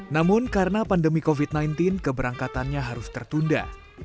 namun karena pandemi covid sembilan belas keberangkatannya harus tertunda